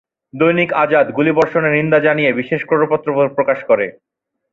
দৈনিক আজাদ গুলিবর্ষণের নিন্দা জানিয়ে বিশেষ ক্রোড়পত্র প্রকাশ করে।